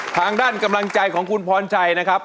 ทางด้านกำลังใจของคุณพรชัยนะครับ